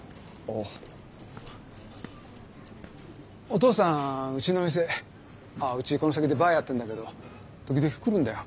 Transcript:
お父さんうちの店あうちこの先でバーやってるんだけど時々来るんだよ。